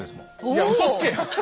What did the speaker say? いやうそつけ！